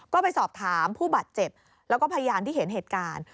ก็ไปสอบถามผู้บาดเจ็บแล้วก็พยานที่เห็นเหตุการณ์